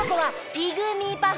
ピグミーパフ。